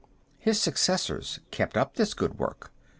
His successors kept up this good work.